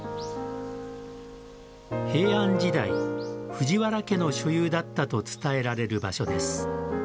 平安時代、藤原家の所有だったと伝えられる場所です。